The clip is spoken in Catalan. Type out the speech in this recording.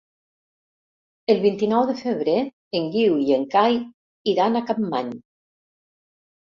El vint-i-nou de febrer en Guiu i en Cai iran a Capmany.